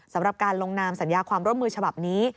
สำหรับการลงนามสัญญาความร่วมมือฉบับนี้